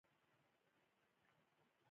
ټول استادان په تدريس بوخت دي.